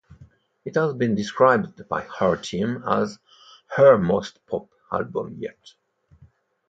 It has been described by her team as "her most pop album yet".